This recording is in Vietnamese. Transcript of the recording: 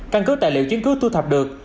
căn cứ tài liệu chứng cứ thu thập được